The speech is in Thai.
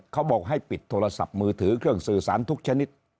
เขาบอกให้ปิดโทรศัพท์มือถือเครื่องสื่อสารทุกชนิด